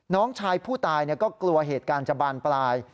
น้องชายผู้ตายก็กลัวเหตุการณ์จะบานปลาย